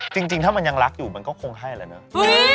จริงถ้ามันยังรักอยู่มันก็คงให้แล้วเนอะ